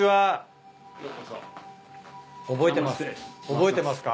覚えてますか？